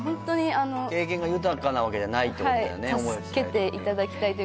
経験が豊かなわけじゃないってことだよね